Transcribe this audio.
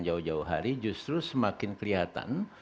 jauh jauh hari justru semakin kelihatan